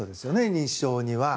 認知症には。